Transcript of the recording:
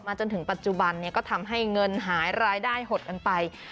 จนถึงปัจจุบันก็ทำให้เงินหายรายได้หดกันไป